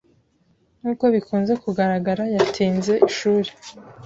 Nkuko bikunze kugaragara, yatinze ishuri.